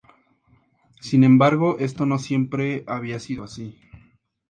Sin embargo, esto no siempre había sido así.